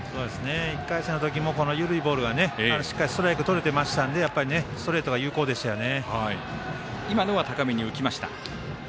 １回戦の時も緩いボールがしっかりストライクとれていましたのでストレートが有効でしたよね。